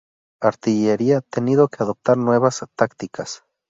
Artillería tenido que adoptar nuevas tácticas.